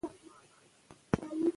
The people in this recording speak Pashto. راحت چاپېريال ماشوم ته ډاډ ورکوي.